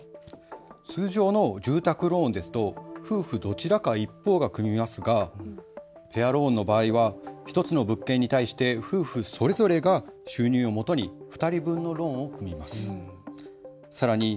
通常の住宅ローンですと夫婦どちらか一方が組みますが、ペアローンの場合は１つの物件に対して夫婦それぞれが収入をもとに２人分のローンを組みます。